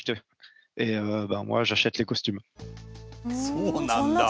そうなんだ。